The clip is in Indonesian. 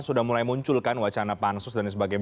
sudah mulai muncul kan wacana pansus dan sebagainya